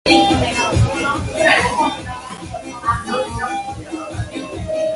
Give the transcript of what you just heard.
A rain-shower in the morning is an infallible omen of death.